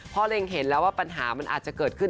เล็งเห็นแล้วว่าปัญหามันอาจจะเกิดขึ้น